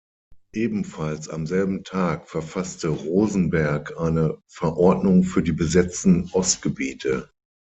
Ebenfalls am selben Tag verfasste Rosenberg eine Verordnung für die besetzten Ostgebiete.